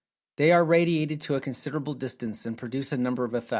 They are radiated to a considerable distance, and produce a number of effects.